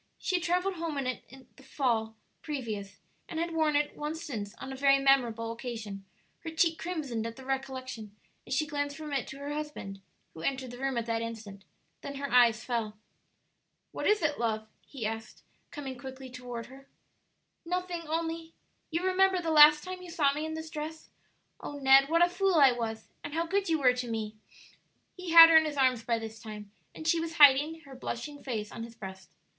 She had travelled home in it the previous fall, and had worn it once since on a very memorable occasion; her cheek crimsoned at the recollection as she glanced from it to her husband, who entered the room at that instant; then her eyes fell. "What is it, love?" he asked, coming quickly toward her. "Nothing, only you remember the last time you saw me in this dress? Oh, Ned, what a fool I was! and how good you were to me!" He had her in his arms by this time, and she was hiding her blushing face on his breast.